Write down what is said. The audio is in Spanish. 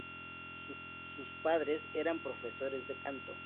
Sus padres eran profesores de canto.